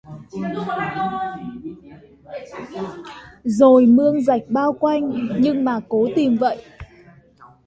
rồi mương rạch bao quanh nhưng mà cố tìm vậy